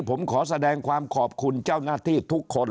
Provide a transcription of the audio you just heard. ผมขอแสดงความขอบคุณเจ้าหน้าที่ทุกคน